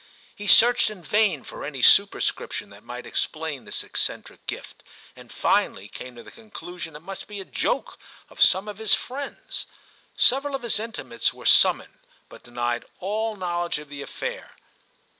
He searched in vain for any superscription that might explain this eccentric gift, and finally came to the conclusion it must be a joke of some of his friends. Several of his intimates were sum moned, but denied all knowledge of the affair.